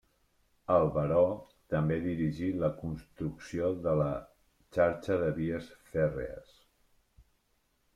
El baró també dirigí la construcció de la xarxa de vies fèrries.